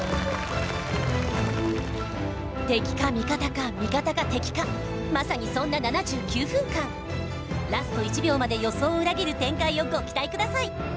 敵か味方か味方か敵かまさにそんな７９分間ラスト１秒まで予想を裏切る展開をご期待ください